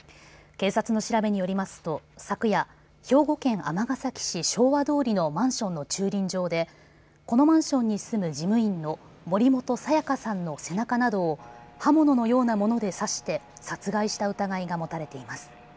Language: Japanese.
警察の調べによりますと昨夜兵庫県尼崎市昭和通のマンションの駐輪場でこのマンションに住む事務員の森本彩加さんの背中などを刃物のようなもので刺して殺害した疑いが持たれています。